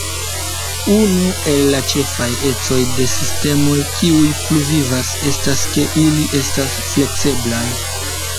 Unu el la ĉefaj ecoj de sistemoj kiuj pluvivas estas ke ili estas flekseblaj.